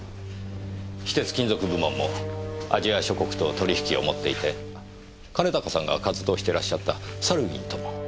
非鉄金属部門もアジア諸国と取引を持っていて兼高さんが活動してらっしゃったサルウィンとも。